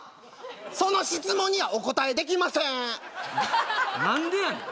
その質問にはお答えできませんなんでやねん！